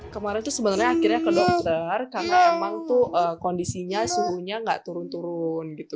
kemarin tuh sebenarnya akhirnya ke dokter karena emang tuh kondisinya suhunya nggak turun turun gitu